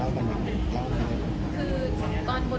ความรู้สึกตอนจะอยู่